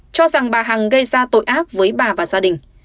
cho rằng bà hằng gây ra tội ác với bà và gia đình